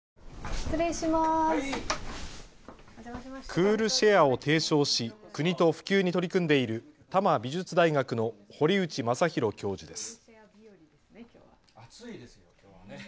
クールシェアを提唱し国と普及に取り組んでいる多摩美術大学の堀内正弘教授です。